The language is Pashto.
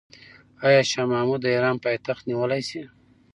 آیا شاه محمود د ایران پایتخت نیولی شي؟